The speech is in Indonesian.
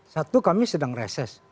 satu kami sedang reses